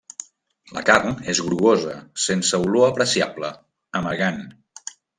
La carn és grogosa, sense olor apreciable, amargant.